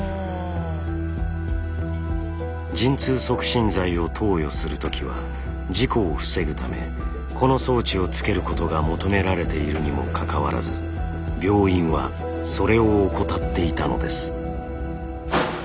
陣痛促進剤を投与する時は事故を防ぐためこの装置をつけることが求められているにもかかわらず病院はそれを怠っていたのです。